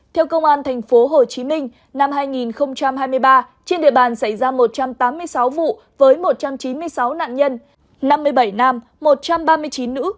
theo công an tp hcm năm hai nghìn hai mươi ba trên địa bàn xảy ra một trăm tám mươi sáu vụ với một trăm chín mươi sáu nạn nhân năm mươi bảy nam một trăm ba mươi chín nữ